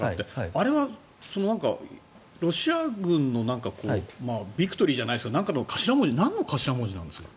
あれは何かロシア軍のビクトリーじゃないですが何かの頭文字何の頭文字なんですか？